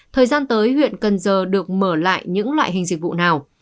thời gian tới huyện cần giờ được mở lại những loại hình dịch vụ nào